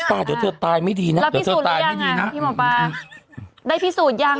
ป๊าเดี๋ยวเธอตายไม่ดีนะเราพิสูจน์หรือยังพี่หมอป๊าได้พิสูจน์ยัง